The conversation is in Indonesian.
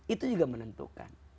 itu juga menentukan